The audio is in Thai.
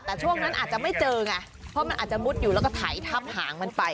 แต่ช่วงนั้นอาจจะไม่เจอไงเพราะมันอาจจะมุดอยู่แล้วก็ไถทับหางมันไป